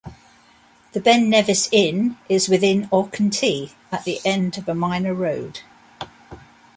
The Ben Nevis Inn is within Achintee, at the end of a minor road.